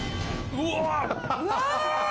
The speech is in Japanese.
・うわ！